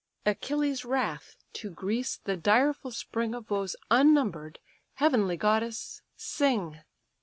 Achilles' wrath, to Greece the direful spring Of woes unnumber'd, heavenly goddess, sing!